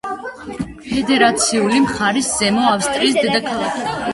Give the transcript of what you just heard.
ფედერაციული მხარის, ზემო ავსტრიის დედაქალაქი.